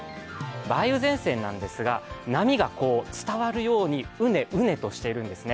梅雨前線なんですが、波が伝わるようにうねうねとしているんですね。